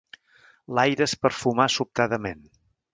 L'aire es perfumà sobtadament